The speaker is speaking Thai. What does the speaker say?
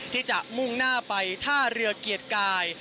ที่จะมุ่งหน้าไปท่าเรือเกียรติกาย